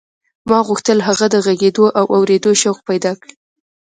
ما غوښتل هغه د غږېدو او اورېدو شوق پیدا کړي